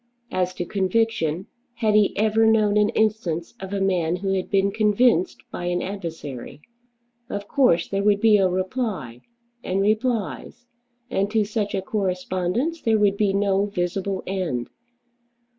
As to conviction, had he ever known an instance of a man who had been convinced by an adversary? Of course there would be a reply, and replies. And to such a correspondence there would be no visible end.